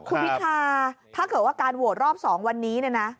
ครูพิธาถ้าเกิดว่าการโหวตรอบ๒วันนี้นะ